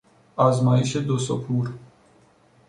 آزمایش دو سوکور